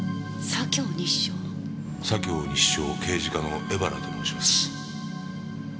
左京西署刑事課の江原と申します。